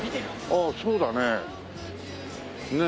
ああそうだね。